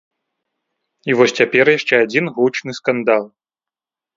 І вось цяпер яшчэ адзін гучны скандал.